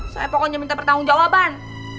saya pokoknya minta pertanggung jawaban